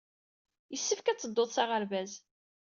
Yessefk ad tedduḍ s aɣerbaz.